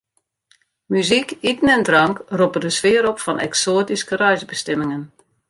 Muzyk, iten en drank roppe de sfear op fan eksoatyske reisbestimmingen.